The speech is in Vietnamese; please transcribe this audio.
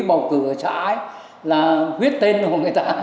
với bầu cử ở xã ấy là viết tên của người ta